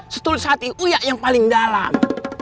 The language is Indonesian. setulis hati uya yang paling dalam